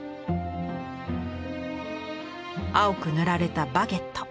青く塗られたバゲット。